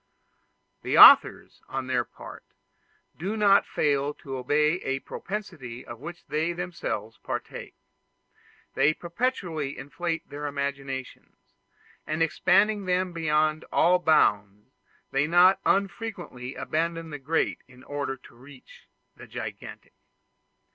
The authors, on their part, do not fail to obey a propensity of which they themselves partake; they perpetually inflate their imaginations, and expanding them beyond all bounds, they not unfrequently abandon the great in order to reach the gigantic.